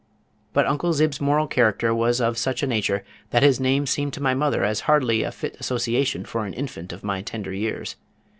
But Uncle Zib's moral character was of such a nature that his name seemed to my mother as hardly a fit association for an infant of my tender years.